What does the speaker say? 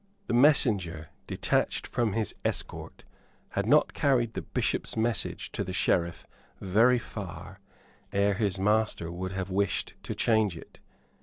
The messenger detached from his escort had not carried the Bishop's message to the Sheriff very far ere his master would have wished to change it.